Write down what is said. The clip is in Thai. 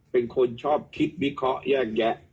เป็นคนชอบคิดวิเคราะห์แยกแยะ